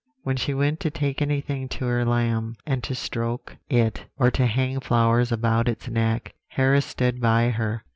When she went to take anything to her lamb, and to stroke it, or to hang flowers about its neck, Harris stood by her.